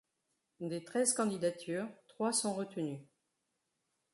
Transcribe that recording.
Des treize candidatures, trois sont retenues.